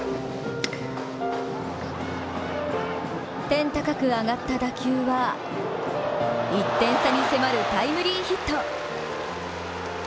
天高く上がった打球は１点差に迫るタイムリーヒット。